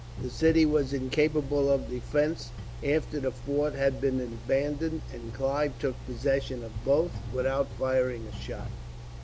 The city was incapable of defence after the fort had been abandoned, and Clive took possession of both, without firing a shot.